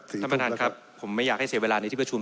ท่านประธานครับผมไม่อยากให้เสียเวลาในที่ประชุม